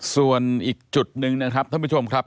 ส่วนอีกจุดหนึ่งนะครับท่านผู้ชมครับ